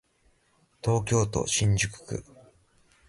東京都新宿区